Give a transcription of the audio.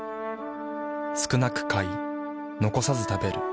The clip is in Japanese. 少なく買い残さず食べる。